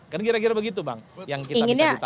kan kira kira begitu bang yang kita bisa duta